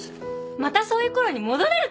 またそういうころに戻れるかも。